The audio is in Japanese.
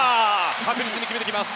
確実に決めてきます。